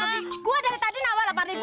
nah cocok buat orang yang segar bukan buat emak